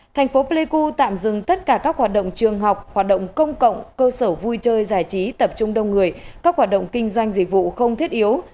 thành phố pleiku tạm dừng tất cả các hoạt động trường học hoạt động công cộng cơ sở vui chơi giải trí tập trung đông người các hoạt động kinh doanh dịch vụ không thiết yếu